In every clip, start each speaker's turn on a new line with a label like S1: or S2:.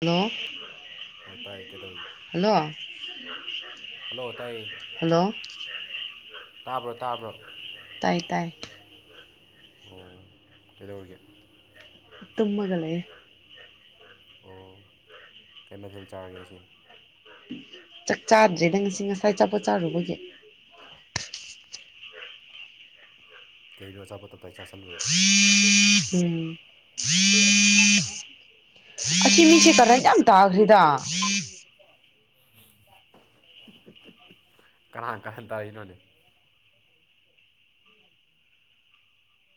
S1: hello
S2: ꯑꯣ ꯇꯥꯏꯌꯦ ꯀꯩꯗꯧꯔꯤꯒꯦ
S1: ꯍꯜꯂꯣ
S2: ꯍꯜꯂꯣ ꯇꯥꯏꯌꯦ
S1: ꯍꯜꯂꯣ
S2: ꯇꯥꯕ꯭ꯔꯣ ꯇꯥꯕ꯭ꯔꯣ
S1: ꯇꯥꯏ ꯇꯥꯏ
S2: ꯑꯣ ꯀꯩꯗꯧꯔꯤꯒꯦ
S1: ꯇꯨꯝꯃꯒꯥ ꯂꯩꯌꯦ
S2: ꯑꯣ ꯀꯩ ꯃꯊꯦꯜ ꯆꯥꯔꯒꯦ ꯉꯁꯤ
S1: ꯆꯥꯛ ꯆꯥꯗ꯭ꯔꯦꯗ ꯉꯁꯤ ꯉꯁꯥꯏ ꯆꯞꯄꯠ ꯆꯥꯔꯨꯕꯒꯤ
S2: ꯀꯩꯅꯣ ꯑꯆꯥꯄꯣꯠꯞꯇ ꯑꯩ ꯆꯥꯁꯤꯜꯂꯨꯔꯣ
S1: ꯎꯝ ꯑꯁꯤ ꯃꯤꯁꯦ ꯀꯔꯟ ꯌꯥꯝ ꯇꯥꯈ꯭ꯔꯤꯗ
S2: ꯀꯔꯥꯡ ꯀꯔꯥꯏꯥꯟ ꯇꯥꯏꯅꯣꯅꯦ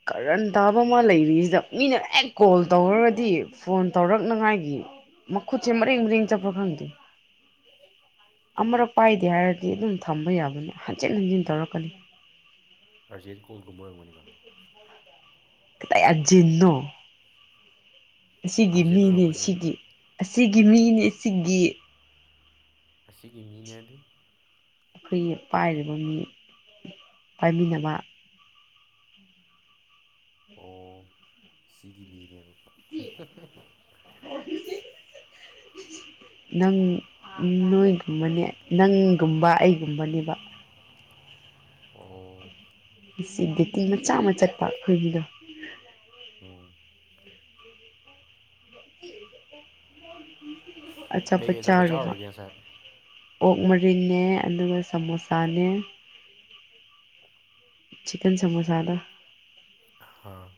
S1: ꯀꯔꯟ ꯇꯥꯕ ꯑꯃ ꯂꯩꯔꯤꯁꯤꯗ ꯃꯤꯅ ꯍꯦꯛ ꯀꯣꯜ ꯇꯧꯈꯗꯤ ꯐꯣꯟ ꯇꯧꯔꯛꯅꯉꯥꯏꯒꯤ ꯃꯈ ꯈꯨꯨꯠꯁꯦ ꯃꯔꯤꯦꯡ ꯃꯔꯤꯡ ꯆꯄ꯭ꯔ ꯈꯪꯗꯦ ꯑꯃꯨꯔꯛ ꯄꯥꯏꯗꯦ ꯍꯥꯏꯔꯗꯤ ꯑꯗꯨꯝ ꯊꯝꯕ ꯌꯥꯕꯅꯤ ꯍꯟꯖꯤꯟ ꯍꯟꯖꯤꯟ ꯇꯧꯔꯛꯀꯅꯤ
S2: ꯑꯔꯖꯦꯟ ꯀꯣꯜꯒꯨꯝꯕ ꯑꯣꯏꯝꯒꯅꯤꯅꯣ
S1: ꯀꯇꯥꯏꯖꯟꯅꯣ ꯑꯁꯤꯒꯤ
S2: ꯑꯥꯔꯖꯦꯟ
S1: ꯃꯤꯅꯦ
S2: ꯑꯣꯏꯔꯝꯒꯅꯤ ꯍ
S1: ꯁꯤꯒꯤ ꯑꯁꯤꯒꯤ ꯃꯤꯅꯦ ꯁꯤ
S2: ꯑꯁꯤꯒꯤ ꯃꯤꯅꯦ ꯑꯗꯨ
S1: ꯑꯩꯈꯣꯏꯒꯤ ꯄꯥꯏꯔꯤꯕ ꯃꯤ ꯄꯥꯏꯃꯤꯟꯅꯕ
S2: ꯑꯣ ꯁꯤꯒꯤ ꯃꯤꯔꯦ
S1: [inaudible] ꯅꯪ ꯅꯣꯏꯒꯨꯝꯕꯅꯦ ꯅꯪꯒꯨꯝꯕ ꯑꯩꯒꯨꯝꯕꯅꯦꯕ
S2: ꯑꯣ
S1: ꯁꯤꯗꯇꯤ ꯃꯆꯥ ꯑꯃ ꯆꯠꯄ ꯑꯩꯈꯣꯏꯗꯣ ꯎꯝ
S2: ꯎꯝ
S1: ꯑꯆꯥ ꯄ
S2: ꯀꯩꯀꯩ ꯑꯆꯥꯄꯣꯠ
S1: ꯆꯥꯃ
S2: ꯆꯥꯔꯨꯔꯒꯦ ꯉꯁꯥꯏ
S1: ꯑꯣꯛ ꯃꯔꯤꯦ ꯑꯗꯨꯒ ꯁꯃꯣꯁꯥꯅꯦ ꯆꯤꯛꯟ ꯁꯃꯣꯁꯥꯗ
S2: ꯍꯥꯥ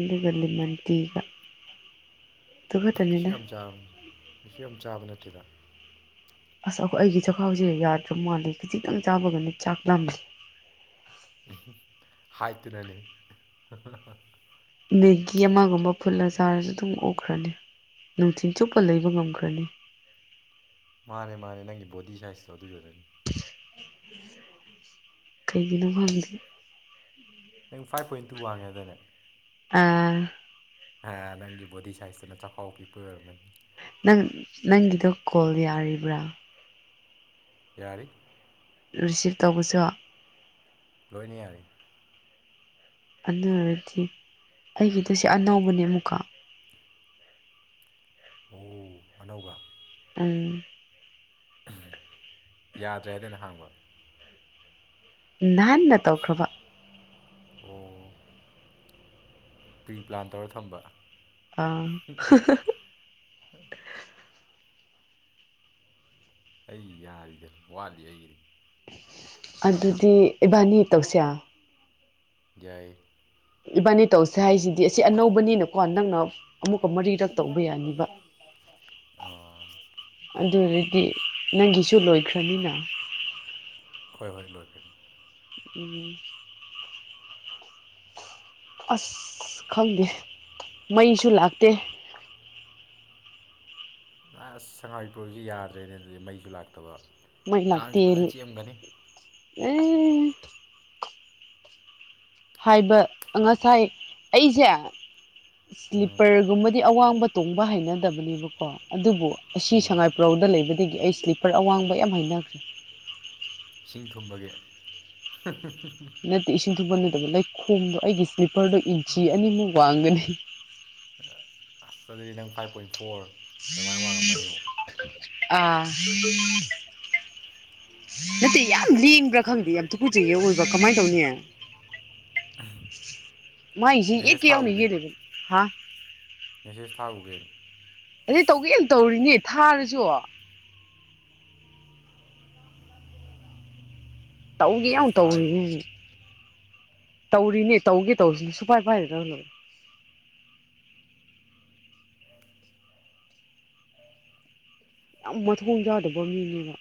S1: ꯏ ꯀꯜꯂꯤ ꯃꯟꯇꯤꯒ
S2: ꯑꯩꯁꯨ ꯌꯥꯝ ꯏꯁꯨ ꯌꯥꯝ ꯆꯥꯕ ꯅꯠꯇꯦꯗ
S1: ꯑꯁ ꯑꯩꯈ ꯑꯩꯒꯤ ꯆꯥꯛꯈꯥꯎꯁꯦ ꯌꯥꯗ꯭ꯔꯕ ꯃꯥꯜꯜꯂꯤꯦ ꯈꯈꯤꯖꯤꯛꯇꯪ ꯆꯥꯕꯒꯅꯤ ꯆꯥꯛ ꯂꯥꯃꯤꯁꯦ
S2: ꯎ ꯍꯥꯏꯗꯨꯅꯅꯦ
S1: ꯃꯦꯒꯤ ꯑꯃꯒꯨꯝꯕ ꯐꯨꯜꯂ ꯆꯥꯔꯁꯨ ꯑꯗꯨꯝ ꯑꯣꯛꯈ꯭ꯔꯅꯤ ꯅꯨꯡꯊꯤꯜ ꯆꯨꯞꯄ ꯂꯩꯕ ꯉꯝꯈ꯭ꯔꯅꯤ
S2: ꯃꯥꯅꯦ ꯃꯥꯅꯦ ꯅꯪꯒꯤ ꯕꯣꯗꯤ ꯁꯥꯏꯖꯇꯣ ꯑꯗꯨꯗꯨꯅꯅꯤ
S1: ꯀꯩꯒꯤꯅꫭ ꯈꯪꯗꯦ
S2: ꯅꯪ ꯐꯥꯏꯚ ꯄꯣꯏꯟ ꯇꯨ ꯋꯥꯡꯉꯦ ꯍꯥꯏꯗꯥꯏꯅꯦ
S1: ꯑꯥ
S2: ꯑꯥ ꯅꯪꯒꯤ ꯕꯣꯗꯤ ꯁꯥꯏꯖꯇꯨꯅ ꯆꯈꯥꯎ ꯄꯤꯛꯄ ꯑꯣꯏꯔꯝꯃꯅꯤ
S1: ꯅꯪ ꯅꯪꯒꯤꯗꯣ ꯀꯣꯜ ꯌꯥꯔꯤꯕ꯭ꯔꯥ
S2: ꯌꯥꯔꯤ
S1: ꯔꯤꯁꯤꯞ ꯇꯧꯕꯁꯨ
S2: ꯂꯣꯏꯅ ꯌꯥꯔꯤ
S1: ꯑꯗꯨ ꯑꫭꯏꯔꯗꯤ ꯑꯩꯒꯤꯗꯨꯁꯨ ꯑꯅꯧꯕꯅꯦ ꯑꯃꯨꯛꯀ
S2: ꯑꯣ ꯑꯅꯧꯕ
S1: ꯑꯥ
S2: ꯌꯥꯗ꯭ꯔꯦ ꯍꯥꯏꯗꯅ ꯍꯥꯡꯕ
S1: ꯅꯥꯍꯟꯅ ꯇꯧꯈ꯭ꯔꯕ
S2: ꯑꯣ ꯄ꯭ꯔꯤꯄ꯭ꯂꯥꯟ ꯇꯧꯔ ꯊꯝꯕ
S1: ꯑꯥ
S2: ꯍ ꯑꯩ ꯌꯥꯔꯤꯗ ꯋꯥꯠꯂꯤ ꯑꯩꯒꯤꯗꯤ
S1: ꯑꯗꯨꯗꯤ ꯏꯕꯥꯅꯤ ꯇꯧꯁꯦ
S2: ꯌꯥꯏ
S1: ꯏꯕꯥꯅꯤ ꯇꯧꯁꯦ ꯍꯥꯏꯁꯤꯗꯤ ꯑꯁꯤ ꯑꯅꯧꯕꯅꯤꯅꯀꯣ ꯅꯪꯅ ꯑꯃꯨꯛꯀ ꯃꯔꯤꯔꯛ ꯇꯧꯕ ꯌꯥꯅꯤꯕ [inaudible]
S2: ꯑꯥ
S1: ꯑꯗꯨꯗꯤ ꯅꯪꯒꯤꯁꯨ ꯂꯣꯏꯈ꯭ꯔꯅꯤꯅ
S2: ꯍꯣꯏ ꯍꯣꯏ ꯂꯣꯏꯈꯥꯔꯦ ꯑꯗꯨꯅ
S1: ꯎꯝ ꯑꯁ ꯈꯪꯗꯦ ꯃꯩꯁꯨ ꯂꯥꯛꯇꯦ
S2: ꯑꯁ ꯁꯉꯥꯏꯄ꯭ꯔꯁꯨ ꯌꯥꯗ꯭ꯔꯦꯅꯦ ꯑꯗꯨꯗꯤ ꯃꯩꯁꯨ ꯂꯥꯛꯇꯕ
S1: ꯃꯩ ꯂꯥꯛꯇꯦ
S2: ꯀꯥꯡꯁꯨ ꯐꯖꯅ ꯆꯤꯛꯑꯃꯒꯅꯤ
S1: [unintelligible] ꯍꯥꯏꯕ ꯉꯁꯥꯏ ꯑꯩꯁꯦ
S2: ꯎꯝ
S1: ꯁ꯭ꯂꯤꯞꯄꯔꯒꯨꯝꯕꯗꯤ ꯑꯋꯥꯡꯕ ꯇꯣꯡꯕ ꯍꯩꯅꯗꯕꯅꯦꯕꯀꯣ ꯑꯗꯨꯕꯨ ꯑꯁꯤ
S2: ꯎꯝ
S1: ꯁꯉꯥꯏꯄꯨꯔꯧꯗ ꯂꯩꯕꯗꯒꯤ ꯑꯩ ꯁ꯭ꯂꯤꯞꯄꯔ ꯑꯋꯥꯡꯕ ꯌꯥꯝ ꯍꯩꯅꯈ꯭ꯔꯦ
S2: ꯏꯁꯤꯡ ꯊꯨꯝꯕꯒꯤ
S1: ꯅꯠꯇꯦ ꯏꯁꯤꯡ ꯊꯨꯝꯄ ꯅꯠꯇꯕ ꯂꯩꯈꯣꯡꯗꯣ ꯑꯩꯒꯤ ꯁ꯭ꯂꯤꯞꯄꯔꯗꯣ ꯏꯟꯆꯤ ꯑꯅꯤꯃꯨꯛ ꯋꯥꯡꯒꯅꯤ
S2: ꯈꯔ ꯑꯁ ꯑꯗꯨꯗꯤ ꯅꯪ ꯐꯥꯏꯚ ꯄꯣꯏꯟ ꯐꯣꯔ ꯑꯗꯨꯃꯥꯏꯅ ꯋꯥꯡꯉꯝꯃꯅꯤ ꯑꯃꯨꯛ
S1: ꯑꯥ ꯅꯠꯇꯦ ꯌꯥꯝ ꯂꯦꯡꯕ꯭ꯔꯥ ꯈꯪꯗꯦ ꯌꯥꯝ ꯊꯨꯀꯨꯖꯒꯦ ꯑꯣꯏꯕ꯭ꯔꯥ ꯀꯃꯥꯏꯅ ꯇꯧꯅꯤ
S2: [inaudible]
S1: ꯃꯥꯥꯏꯁꯤ
S2: ꯃꯦꯁꯦꯖ
S1: ꯌꯦꯛꯀꯦ ꯌꯥꯎꯅ
S2: ꯊꯥꯎꯒꯦ
S1: ꯌꯦꯛꯂꯤꯕ ꯍꯥ
S2: ꯃꯦꯁꯦꯖ ꯊꯥꯈꫭ ꯀꯩꯅꫭ
S1: ꯑꯩ ꯇꯧꯒꯦ ꯌꯥꯎꯅ ꯇꯧꯔꯤꯅꯦ ꯊꯥꯔꯁꯨ ꯇꯧꯒꯦ ꯌꯥꯝ
S2: ꯃꯦꯁꯦꯖꯇ ꯍꯥꯏꯌꯨ
S1: ꯇꯧꯔꯤ ꯇꯧꯔꯤꯅꯦ ꯇꯧꯒꯦ ꯇꯧꯁꯦ ꯁꯨꯄꯥꯏ ꯄꯥꯏꯗꯔꯥ ꯈꯪꯗꯕ ꯌꯥꯝ ꯃꯊꯣꯡ ꯆꯗꯕ ꯃꯤꯅꯦꯕ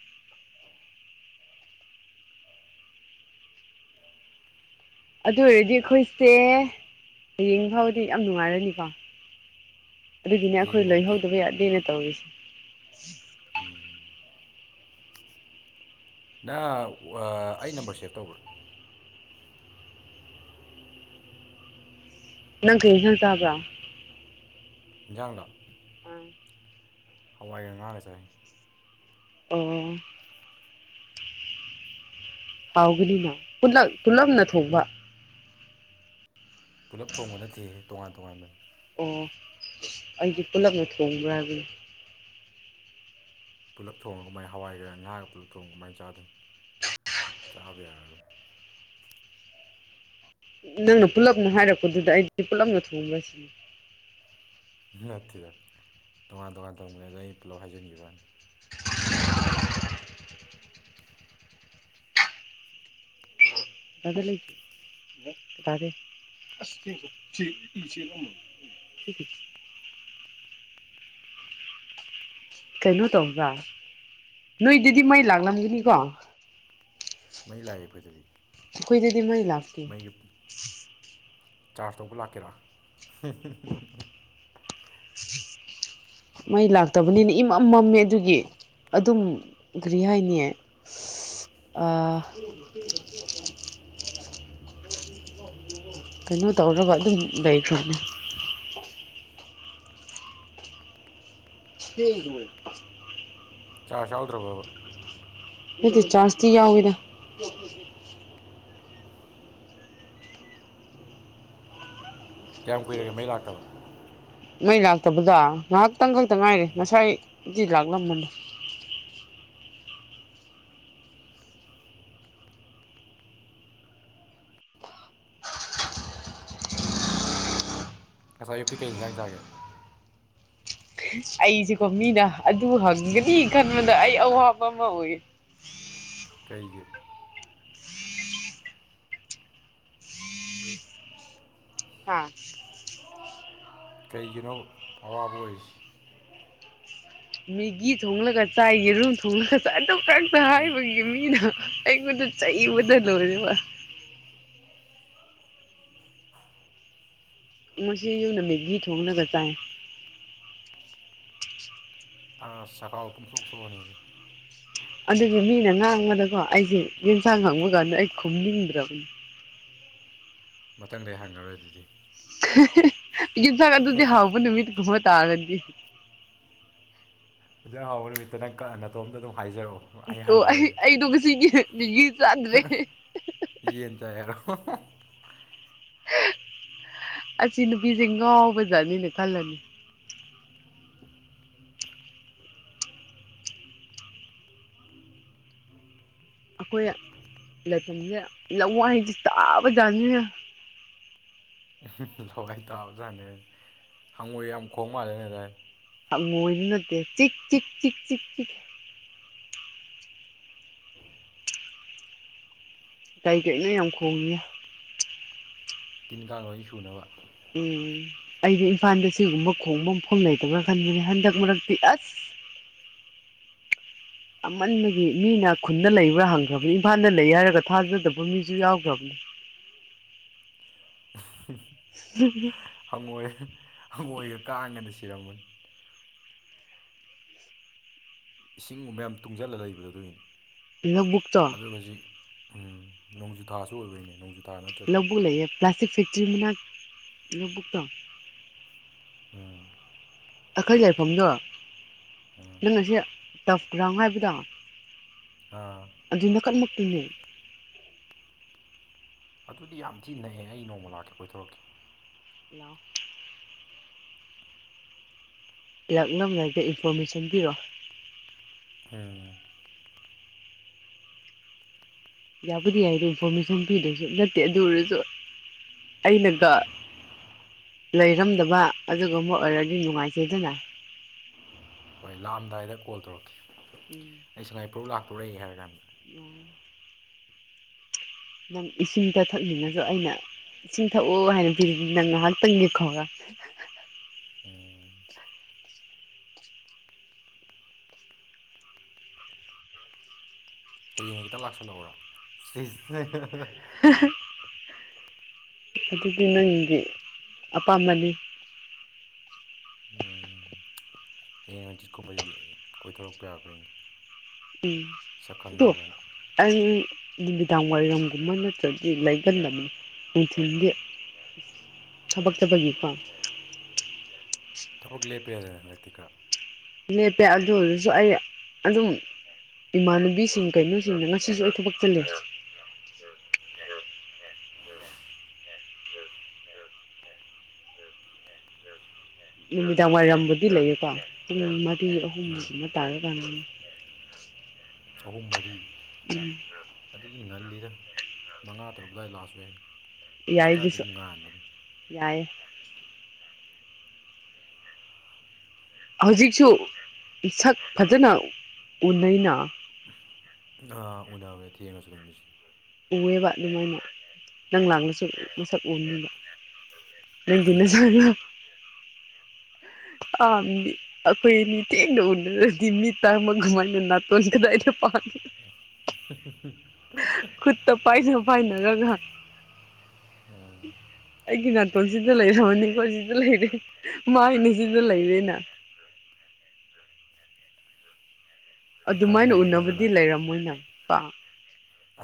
S1: ꯑꯗꯨ ꯑꯣꯏꯔꯗꯤ ꯑꯩꯈꯣꯏꯁꯦ ꯍꯌꯦꯡ ꯐꯥꯎꯗꯤ ꯌꯥꯝ ꯅꯨꯡꯉꯥꯏꯔꯅꯤꯀꯣ ꯑꯗꯨꯒꯤꯅꯦ ꯑꯩꯈꯣꯏ
S2: ꯍꯌꯦꯡꯐꯧꯗꯤ
S1: ꯂꯣꯏꯍꯧꯗꯕ ꯌꯥꯗꯦꯅ ꯇꯧꯔꯤꯁꯦ
S2: ꯎꯝ ꯅꯪ ꯋ ꯑꯩ ꯅꯝꯕꯔ ꯁꯦꯞ ꯇꯧꯕ꯭ꯔꯥ
S1: ꯅꯪ ꯀꯩ ꯏꯟꯁꯥꯡ ꯆꯥꯕ꯭ꯔꯥ
S2: ꯏꯟꯖꯥꯟ ꯂꫭ
S1: [unintelligible]
S2: ꯍꯋꯥꯏꯒ ꯉꯥ ꯒ ꯆꯥꯏꯌꯦ
S1: ꯑꯣ ꯍꯥꯎꯕꯗꯤꯅꯦ ꯄꯨꯂꯛ ꯄꯨꯠꯂꯞꯅ ꯊꯣꯡꯕ
S2: ꯄꯨꯜꯂꯞ ꯊꯣꯡꯕ ꯅꯠꯇꯦ ꯇꯣꯉꯥꯟ ꯇꯣꯉꯥꯟꯕꯅꯤ
S1: ꯑꯣ ꯑꯩꯗꯤ ꯄꯨꯂꯞꯅ ꯊꯣꯡꯕ꯭ꯔꯥ ꯍꯥꯏꯕꯅꯤ
S2: ꯄꯨꯂꯞ ꯊꯣꯡꯉ ꯀꯃꯥꯏ ꯍꯋꯥꯏꯒ ꯉꯥꯒ ꯄꯨꯂꯞ ꯊꯣꯡ ꯀꯃꯥꯏꯅ ꯆꯥꯗꯨꯅꯣ ꯆꯥꯕ ꯌꯥꯔꯔꯣꯏ
S1: ꯅꯪꯅ ꯄꯨꯂꯞꯅ ꯍꯥꯏꯔꯛꯄꯗꯨꯗ ꯑꯩꯗꯤ ꯄꯨꯂꯞꯅ ꯊꯣꯡꯕꯔꯁꯤꯅꯦ
S2: ꯅꯠꯇꯦꯗ ꯇꯣꯉꯥꯟ ꯇꯣꯉꯥꯟ ꯊꯣꯡꯕꯅꯦ ꯑꯗꯣ ꯑꯩ ꯄꯨꯂꯞ ꯍꯥꯏꯖꯤꯟꯒꯤꯕꯅꯤ
S1: ꯇꯗ ꯂꯩ [unintelligible] ꯀꯩꯅꯣ ꯇꯧꯕ꯭ꯔꯥ ꯅꯣꯏꯗꯗꯤ ꯃꯩ ꯂꯥꯛꯂꯝꯒꯅꯤꯀꯣ
S2: ꯃꯩ ꯂꯥꯛꯑꯦ ꯐꯖꯔꯦ
S1: ꯑꯩꯈꯣꯏꯗꯗꯤ ꯃꯩ ꯂꯥꯛꯇꯦ
S2: ꯃꯩꯒꯤ ꯆꯥꯔꯖ ꯇꯧꯕ ꯂꯥꯛꯀꯦꯔꯥ
S1: ꯃꯩ ꯂꯥꯛꯇꯕꯅꯤꯅ ꯏꯃꯝꯃꯝꯃꯦ ꯑꯗꯨꯒꯤ ꯑꯗꯨꯝ ꯀꯔꯤ ꯍꯥꯏꯅꯤ ꯑꯥ [unintelligible] ꯀꯩꯅꯣ ꯇꯧꯔꯒ ꯑꯗꯨꯝ ꯂꯩꯩꯈ꯭ꯔꯕꯅꯦ [unintelligible]
S2: ꯆꯥꯔꯁ ꯌꯥꯎꯗ꯭ꯔꯕꫭꯕꯥ
S1: ꯑꯩꯗꯤ ꯆꯥꯔꯁꯇꯤ ꯌꯥꯎꯋꯤꯗ [unintelligible]
S2: ꯀꯌꯥꯝ ꯀꯨꯏꯔꯒꯦ ꯃꯩ ꯂꯥꯛꯇꯕ
S1: ꯃꯩ ꯂꯥꯛꯇꯕꯗꯣ ꯉꯥꯏꯍꯥꯛꯇꯪ ꯈꯛꯇ ꯉꯥꯏꯔꯤ ꯉꯁꯥꯏꯗꯤ ꯂꯥꯛꯂꯝꯕꯅꯤ
S2: ꯉꯁꯥꯏ ꯑꯌꯨꯛꯇꯤ ꯀꯩ ꯏꯟꯖꯥꯡ ꯆꯥꯒ‌ꯦ
S1: ꯑꯩꯖꯦꯀꯣ ꯃꯤꯅ ꯑꯗꯨ ꯍꯪꯒꯅꯤ ꯈꯟꯕꯗ ꯑꯩ ꯑꯋꯥꯕ ꯑꯃ ꯑꯣꯏꯌꯦ
S2: ꯀꯩꯒꯤ
S1: ꯍꯥꯥ
S2: ꯀꯩꯒꯤꯅꯣ ꯑꯋꯥꯕ ꯑꯣꯏꯔꯤꯁꯤ
S1: ꯃꯦꯒꯤ ꯊꯣꯡꯂꯒ ꯆꯥꯏ ꯌꯦꯔꯨꯝ ꯊꯣꯡꯂꯒ ꯆꯥꯏ ꯑꯗꯨ ꯈꯇ ꯍꯥꯏꯕꯒꯤ ꯃꯤꯅ ꯑꯩꯉꯣꯟꯗ ꯆꯩꯕꯗ ꯂꫭꯏꯔ‌ꯦ ꯕꯥ ꯉꯁꯤ ꯌꯨꯝꯗ ꯃꯦꯒꯤ ꯊꯣꯡꯂꯒ ꯆꯥꯏ
S2: ꯑꯁ ꯆꯈꯥꯎ ꯄꯨꯡꯁꯣꯛ ꯁꯣꯛꯑꯅꯤ
S1: ꯑꯗꯨꯒꯤ ꯃꯤꯅ ꯉꯥꯡꯕꯗꯀꯣ ꯑꯩꯖꯦ ꯌꯦꯟꯁꯥꯡ ꯍꯪꯕ ꯀꯥꯟꯗ ꯑꯩ ꯈꯨꯝꯅꯤꯡꯗ꯭ꯔꯕꯅꯤ
S2: ꯃꯊꯪꯗꯩ ꯍꯪꯉꯔꯣꯏ ꯑꯗꯨꯗꯤ
S1: ꯌꯦꯟꯁꯥꯡ ꯑꯗꯨꯗꯤ ꯍꯥꯎꯕ ꯅꯨꯃꯤꯠ ꯀꯨꯝꯕ ꯇꯥꯔꯗꯤ
S2: ꯍꯦꯟꯖꯥꯡ ꯍꯥꯎꯕ ꯅꯨꯃꯤꯠꯇ ꯅꯪ ꯀ ꯅꯇꯣꯝꯇ ꯑꯗꯨꯝ ꯍꯥꯏꯖꯔꯛꯑꯣ
S1: ꯇꯣ ꯑꯩ ꯑꯩꯗꯣ ꯉꯁꯤꯒꯤ ꯃꯦꯒꯤ ꯆꯥꯗ꯭ꯔꯤ
S2: ꯌꯦꯟ ꯆꯥꯏ ꯍꯥꯏꯔꯣ ꯍꫭ ꯍꫭ
S1: ꯑꯁꯤ ꯅꯨꯄꯤꯖꯦ ꯉꯥꯎꯕꯖꯥꯠꯅꯤꯅ ꯈꯜꯂꯅꯤ ꯑꯩꯈꯣꯏ ꯂꯩꯐꯝꯁꯦ ꯂꯋꯥꯏꯗꯤ ꯇꯥꯕꯖꯥꯠꯅꯤꯍ‌ꯦ
S2: ꯎꯍꯝ ꯍꯝ ꯍꯣꯏ ꯇꯥꯕꯖꯥꯠꯅꯦ ꯍꯪꯉꯣꯏ ꯌꯥꯝ ꯈꯣꯡ ꯃꯥꯜꯂꯦꯅꯦ ꯅꯣꯏ ꯑꯗꯥꯏꯗꯣ
S1: ꯑꯃꯣꯏꯕ ꯅꯠꯇꯦ ꯆꯤꯛ ꯆꯤꯛ ꯆꯤꯛ ꯆꯤꯛ ꯆꯤꯛ ꯀꯩ ꯀꯩꯅꯣ ꯌꯥꯝ ꯈꯣꯡꯏ
S2: ꯇꯤꯟ ꯀꯥꯡ ꯂ‌ꯣꯏ ꯁꯨꯅꯕ
S1: ꯎꯝ ꯑꯩꯗꯤ ꯏꯝꯐꯥꯜꯗ ꯁꯤꯒꯨꯝꯕ ꯈꯣꯡꯕ ꯃꯐꯝ ꯂꯩꯇꯕ꯭ꯔꯥ ꯈꯟꯕꯅꯤ ꯍꯟꯗꯛ ꯃꯔꯛꯇꯤ ꯑꯁ ꯑꯃꯟꯕꯒꯤ ꯃꯤꯅ ꯈꯨꯟꯗ ꯂꯩꯕ꯭ꯔꯥ ꯍꯪꯈ꯭ꯔꯕꯅꯤ ꯏꯝꯐꯥꯜꯗ ꯂꯩ ꯍꯥꯏꯔꯒ ꯊꯥꯖꯗꯕ ꯃꯤꯁꯨ ꯌꯥꯎꯈ꯭ꯔꯕꯅꯤ ꯎꯝ
S2: ꯍꯪꯉꯣꯏ ꯍꯪꯉꯣꯏꯒ ꯀꯥꯡꯒꯅ ꯁꯤꯔꯝꯃꯅꯤ ꯏꯁꯤꯡꯒꯨꯕ ꯌꯥꯝ ꯇꯨꯡꯖꯜꯂꯒ ꯂꯩꯕꯗꯣ ꯑꯗꯨꯒꯤꯅꯤ
S1: ꯂꯧꯕꯨꯛꯇꯣ
S2: ꯑꯗꯨꯒ ꯍꯧꯖꯤꯛ ꯎꯝ ꯅꯣꯡꯖꯨꯊꯥꯁꯨ ꯑꯣꯏꯕꯩꯅꯦ ꯅꯣꯡꯖꯨ ꯊꯥ ꯅꯠꯇ꯭ꯔꯗꯤ
S1: ꯂꯥꯕꯨꯛ ꯂꯩꯌ‌ꯦ ꯄ꯭ꯂꯥꯁꯇꯤꯛ ꯐꯦꯛꯇꯔꯤ ꯃꯤꯅꯟ ꯂꯧꯕꯨꯛꯇꯣ
S2: ꯎꯝ
S1: ꯑꯩꯈꫭꯏ ꯂꯩꯐꯝꯗꯣ ꯅꯪꯉꯥꯁꯤ ꯇꯐ ꯒ꯭ꯔꯥꯟ ꯍꯥꯏꯕꯗꯣ
S2: ꯑꯥ
S1: ꯑꯗꯨꯅ ꯀꯟꯃꯛꯇꯤꯅꯦ
S2: ꯑꯗꯨꯗꯤ ꯌꯥꯝ ꯊꯤ ꯅꯩꯑꯦ ꯑꯩ ꯅꯣꯡꯃ ꯂꯥꯛꯀꯦ ꯀꯣꯏꯊꯣꯔꯛꯀꯦ
S1: ꯂꯥꯎ ꯂꯥꯛꯂꯝꯂꯒ ꯏꯟꯐꯣꯔꯃꯦꯁꯟ ꯄꯤꯔꯣ
S2: ꯎꯝ
S1: ꯌꯥꯕꯨꯗꯤ ꯌꯥꯏꯗꯣ ꯏꯟꯐꯣꯔꯃꯦꯁꯟ ꯄꯤꯗ꯭ꯔꯁꯨ ꯅꯠꯇꯦ ꯑꯗꯨ ꯑꯣꯏꯔꯁꯨ ꯑꯩꯅꯒ ꯂꯩꯔꯝꯗꯕ ꯑꯗꯨꯒꯨꯝꯕ ꯑꯣꯏꯔꯗꯤ ꯅꯨꯡꯉꯥꯏꯇꯦꯗꯅ
S2: ꯍꯣꯏ ꯂꯥꯛꯑꯝꯗꯥꯏꯗ ꯀꯣꯜ ꯇꯧꯔꯛꯀꯦ
S1: ꯎꯝ
S2: ꯑꯩ ꯁꯉꯥꯏꯄ꯭ꯔꯧ ꯂꯥꯛꯇꯣꯔꯦ ꯍꯥꯏꯔ ꯀꯥꯟꯗ
S1: ꯎꯝ ꯅꯪ ꯏꯁꯤꯡꯗ ꯊꯛꯅꯤꯡꯉꯁꯨ ꯑꯩꯅ ꯏꯁꯤꯡ ꯊꯛꯑꯣ ꯍꯥꯏꯅ ꯄꯤꯔꯗꯤ ꯅꯪ ꯉꯥꯏꯍꯥꯛꯇꯪꯗꯤ ꯈꯧꯔꯥꯡ
S2: ꯍꯌꯦꯡ ꯍ‌ꯦꯛꯇ ꯂꯥꯛꯁꯜꯂꯧꯔꯣ ꯁꯤꯁ
S1: ꯑꯗꯨꯗꯤ ꯅꯪꯒꯤ ꯑꯄꯥꯝꯕꯅꯤ
S2: ꯎꯝ ꯍꯌꯦꯡ ꯍꯪꯆꯤꯠꯀꯨꯝꯕ ꯌ‌ꯦꯡꯉꯦ ꯀꯣꯏꯊꫭꯔꯛꯄ ꯌꯥꯕ꯭ꯔ ꯌ‌ꯦꯡꯒ‌ꯦ
S1: ꯎꯝ ꯑꯗꫭ ꯑꯩ ꯅꯨꯃꯤꯗꯥꯡ ꯋꯥꯏꯔꯝꯒꯨꯝꯕ ꯅꯠꯇ꯭ꯔꯗꯤ ꯂꯩꯒꯟꯗꯝꯅꯤ ꯅꯨꯡꯊꯤꯟꯗꯤ ꯊꯕꯛ ꯆꯠꯄꯒꯤꯀꯣ
S2: ꯊꯕꯛ ꯂꯦꯞꯄꯦꯅ ꯍꯟꯗꯛꯇꯤ ꯈꯔ
S1: ꯂꯦꯞꯄꯦ ꯑꯗꯨꯏ ꯑꫭꯏꯔꯁꯨ ꯑꯩ ꯑꯗꯨꯝ ꯏꯃꯥꯟꯅꯕꯤꯁꯤꯡ ꯀꯩꯅꯣꯁꯤꯡ ꯉꯁꯤꯁꯨ ꯑꯩ ꯊꯕꯛ ꯆꯠꯂ‌ꯦ ꯅꯨꯃꯤꯗꯥꯡ ꯋꯥꯏꯔꯝꯕꯨꯗꯤ ꯂꯩꯌꯦꯀꯣ ꯄꯨꯡ ꯃꯔꯤ ꯑꯍꯨꯝꯁꯤꯃ ꯇꯥꯔꯀꯥꯟꯗꯅꯦ
S2: ꯑꯍꯨꯝ ꯃꯔꯤ
S1: ꯎꯝ
S2: ꯑꯗꯨꯗꯤ ꯉꯜꯂꯤꯗ ꯃꯉꯥ ꯇꯔꯨꯛ ꯑꯗ꯭ꯋꯥꯏ ꯂꯥꯛꯁꯨ ꯌꯥꯏ
S1: ꯌꯥꯏꯒꯤꯁꯨ ꯌꯥꯏꯌꯦ ꯍꯧꯖꯤꯛꯁꯨ ꯏꯁꯛ ꯐꯖꯅ ꯎꯅꯩꯅ
S2: ꯅꯥ ꯎꯅꯕꯅꯦ ꯊꯦꯡꯉꯁꯨ [inaudible]
S1: ꯎꯑꯦꯕ ꯑꯗꯨꯃꯥꯏꯅ ꯅꯪ ꯂꯥꯛꯂꯁꯨ ꯃꯁꯛ ꯎꯅꯤꯕ ꯅꯪꯗꯤ ꯅꯁꯛꯗꯣ ꯑꯕꯤ ꯑꯩꯈꯣꯏ ꯅꯤꯡꯊꯤꯅ ꯎꯅꯔꯗꯤ ꯃꯤꯠ ꯇꯥꯡꯕ ꯀꯃꯥꯏꯅ ꯅꯥꯇꯣꯟ ꯀꯗꯥꯏꯗ ꯄꯥꯜꯂꯤ
S2: [unintelligible]
S1: ꯇ ꯄꯥꯏꯅ ꯄꯥꯏꯅꯔꯒ
S2: ꯎꯝ
S1: ꯑꯩꯒꯤ ꯅꯥꯇꯣꯟꯁꯤꯗ ꯂꯩꯔꯝꯃꯅꯤꯀꫭ ꯑꯁꯤꯗ ꯂꯩꯔꯦ ꯃꯥꯏꯅꯦ ꯁꯤꯗ ꯂꯩꯔꯦꯅ
S2: ꯈꯔ
S1: ꯑꯗꯨꯃꯥꯏꯅ
S2: ꯉꯜꯂꯤꯀꯥꯟꯗ
S1: ꯎꯅꯕꯗꯤ
S2: ꯂꯥꯛꯈꯤ
S1: ꯂꯩꯔꯝꯃꯣꯏꯅꯦ ꯀ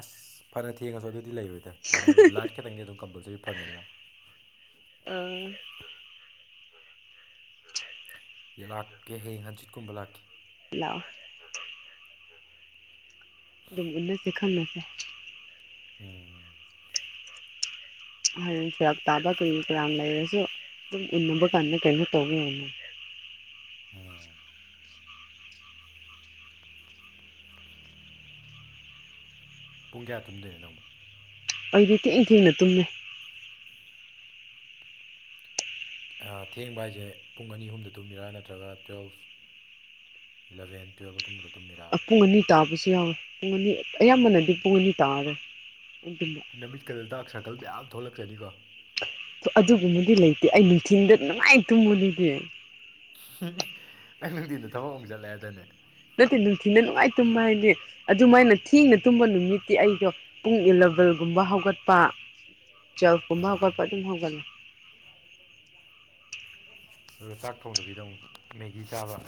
S2: ꯑꯁ ꯐꯅ ꯊꯦꯡꯉꯁꯨ ꯑꯗꯨꯗꯤ ꯂꯩꯔꯣꯏꯗ ꯍꯥꯏꯕꯗꯤ ꯂꯥꯏꯠ ꯈꯤꯇꯪꯗꯤ ꯑꯗꯨꯝ ꯀꯝꯄꯜꯁꯔꯤ ꯐꯪꯒꯅꯤꯅ
S1: ꯑꯥ [unintelligible] [unintelligible]
S2: ꯂꯥꯛꯀꯦꯍ‌ꯦ ꯍꯪꯆꯤꯠꯀꯨꯝꯕ ꯂꯥꯛꯀ‌ꯦ
S1: ꯂꯑꯣ ꯑꯗꯨꯝ ꯎꯅꯁꯦ ꯈꯪꯅꯁꯦ
S2: ꯎꯝ
S1: ꯍꯌ‌ꯦꯡ ꯐꯔꯥꯛ ꯇꯥꯕ ꯀꯔꯤ ꯀꯌꯥꯝ ꯂꯩꯔꯁꯨ ꯑꯗꯨꯝ ꯎꯟꯅꯕ ꯀꯥꯟꯗ ꯀꯩꯅꯣ ꯇꯧꯕ ꯌꯥꯏꯅ‌
S2: ꯄꯨꯡ ꯀꯌꯥ ꯇꯨꯝꯗꯣꯏꯅꯣ ꯅꯪꯕꯣ
S1: ꯑꯩꯗꯤ ꯊꯦꯡ ꯊꯦꯡꯅ ꯇꯨꯝꯃꯦ
S2: ꯑꯥ ꯊꯦꯡꯕ ꯍꯥꯏꯖꯦ ꯄꯨꯡ ꯑꯅꯤ ꯑꯍꯨꯝꯗ ꯇꯨꯝꯃꯤꯔꯥ ꯅꯠꯇ꯭ꯔꯒ ꯇꯨꯋꯦꯜꯐ ꯏꯂ‌ꯕꯦꯟ ꯇꯨꯌꯦꯞ ꯑꯗꯨꯨꯝꯕꯗ
S1: ꯑ ꯄꯨꯡ ꯑꯅꯤ ꯇꯥꯕꯁꯨ ꯌꯥꯎꯋꯦ ꯄꯨꯡ ꯑꯅꯤ ꯑꯌꯥꯝꯕꯅꯗꯤ ꯄꯨꯡ ꯑꯅꯤ ꯇꯥꯔ‌ꯦ ꯑꯩꯅ ꯇꯨꯝꯕ
S2: ꯅꯃꯤꯠꯀꯥꯗꯣ ꯗꯥꯛ ꯁꯥꯔꯀꯜ ꯃꯌꯥꯝ ꯊꯣꯛꯂꯛꯆꯅꯤꯀꯣ
S1: ꯑꯗꯨꯒꯨꯝꯕꯗꯤ ꯂꯩꯇꯦ ꯑꯩ ꯅꯨꯡꯊꯤꯟꯗ ꯅꯨꯡꯉꯥꯏ ꯇꯨꯝꯕꯗꯨꯗꯤ
S2: ꯍꯨ ꯎꯞ ꯅꯪ ꯅꯨꯡꯗꯤꯟꯗ ꯊꯕꯛ ꯑꯃꯨꯛ ꯆꯠꯂꯦ ꯍꯥꯏꯗꯥꯏꯅ‌ꯦ
S1: ꯅꯠꯇꯦ ꯅꯨꯡꯊꯤꯟꯗ ꯅꯨꯡꯉꯥꯏ ꯇꯨꯝꯕ ꯍꯥꯏꯗꯤ ꯑꯗꯨꯃꯥꯏꯅ ꯊꯦꯡꯅ ꯇꯨꯝꯕ ꯅꯨꯃꯤꯠꯇꯤ ꯑꯩꯗꯣ ꯄꯨꯡ ꯏꯂꯚꯦꯟꯒꯨꯝꯕ ꯍꯧꯒꯠꯄ ꯇꯨꯋꯦꯜꯐꯀꯨꯝꯕ ꯍꯧꯒꯠꯄ ꯑꯗꯨꯝ ꯍꯧꯒꯠꯂ‌ꯦ
S2: ꯑꯗꯨꯒ ꯆꯥꯛ ꯊꯣꯡꯗꯕꯤꯗ ꯑꯃꯨꯛ ꯃꯦꯒꯤ ꯆꯥꯕ [unintelligible]